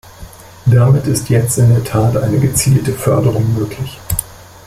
Damit ist jetzt in der Tat eine gezielte Förderung möglich.